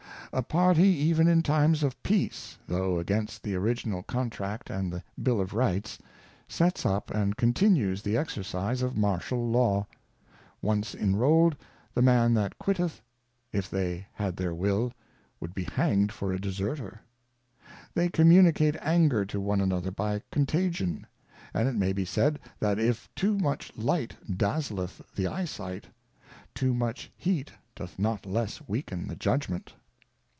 A Party, even in times of Peace, (tho against the Original Contract, and the Bill of Rights) sets up and continues the exercise of Martial Law : Once inrolled, the Man that quitteth, if they had their will, would be hanged for a Deserter. They communicate Anger to one another by Contagion : And it may be said, that if too much Light dazzleth the Eyesight, too much Heat doth not less weaken the Judgment.